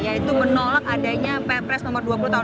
yaitu menolak adanya ppres nomor dua puluh tahun dua ribu